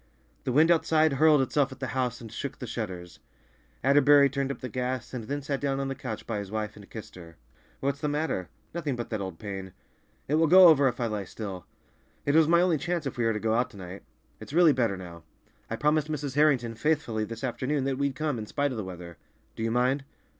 The wind outside hurled itself at the house and shook the shutters. Atterbury turned up the gas, and then sat down on the couch by his wife and kissed her. "What's the matter?" "Nothing but that old pain; it will go over if I lie still—it was my only chance if we are to go out to night. It's really better now. I promised Mrs. Harrington faithfully this afternoon that we'd come, in spite of the weather. Do you mind?"